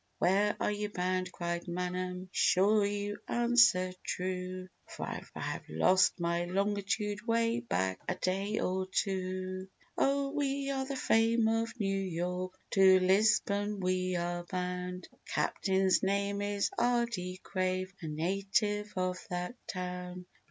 "Where are you bound," cried Manum, "Be sure you answer true, For I have lost my longitude Way back a day or two." "Oh, we are the 'Fame of New York,' To Lisbon we are bound; Our captain's name is R. D. Craig, A native of that town."